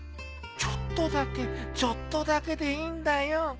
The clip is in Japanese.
ちょっとだけちょっとだけでいいんだよ。